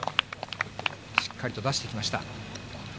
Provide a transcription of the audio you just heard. しっかりと出してきました。